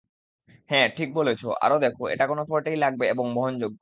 হ্যাঁ, ঠিক বলেছো, আরো দেখো, এটা যেকোন পোর্টেই লাগবে এবং বহনযোগ্য।